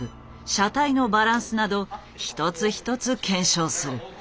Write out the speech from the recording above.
車体のバランスなど一つ一つ検証する。